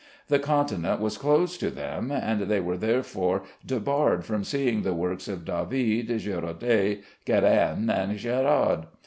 The Continent was closed to them, and they were therefore debarred from seeing the works of David, Girodet, Guérin, and Gérard.